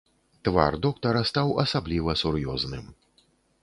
Твар доктара стаў асабліва сур'ёзным.